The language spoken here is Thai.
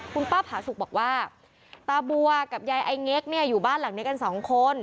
คุณป้าผาสุกบอกว่าตาบัวกับยายไอเง็กเนี่ยอยู่บ้านหลังนี้กันสองคน